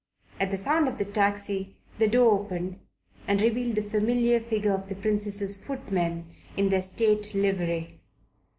At the sound of the taxi, the door opened and revealed the familiar figures of the Princess's footmen in their state livery.